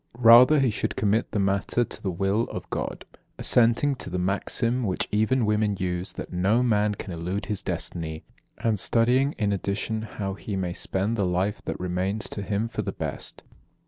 Rather he should commit the matter to the will of God; assenting to the maxim which even women use, that 'no man can elude his destiny,' and studying in addition how he may spend the life that remains to him for the best."